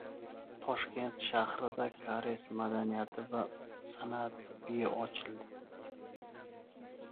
Toshkent shahrida Koreys madaniyati va san’ati uyi ochildi